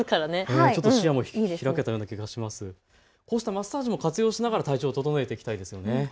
こうしたマッサージも活用しながら体調整えていきたいですね。